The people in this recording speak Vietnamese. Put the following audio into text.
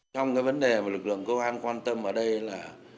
trong vấn đề mà lực lượng cơ quan quan tâm ở đây là